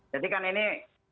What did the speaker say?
jadi kan ini